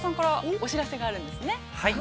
お知らせがあるんですね。